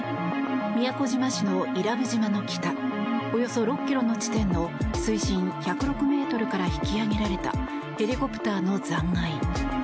宮古島市の伊良部島の北およそ６ｋｍの地点の水深１０６ｍから引き揚げられたヘリコプターの残骸。